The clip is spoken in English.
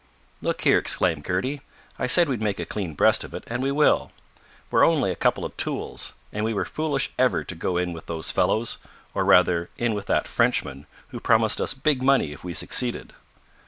"Look here!" exclaimed Kurdy, "I said we'd make a clean breast of it, and we will. We're only a couple of tools, and we were foolish ever to go in with those fellows; or rather, in with that Frenchman, who promised us big money if we succeeded."